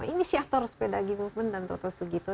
inisiator sepeda g movement dan toto sugito